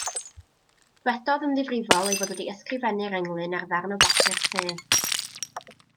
Dywedodd yn ddifrifol ei fod wedi ysgrifennu'r englyn ar ddarn o bapur te.